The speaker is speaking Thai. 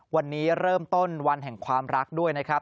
วันนี้เริ่มต้นวันแห่งความรักด้วยนะครับ